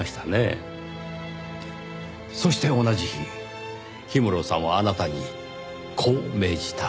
そして同じ日氷室さんはあなたにこう命じた。